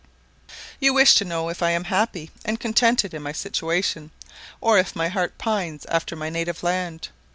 You wish to know if I am happy and contented in my situation, or if my heart pines after my native land.